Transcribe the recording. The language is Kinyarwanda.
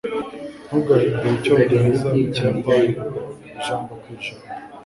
ntugahindure icyongereza mu kiyapani ijambo ku ijambo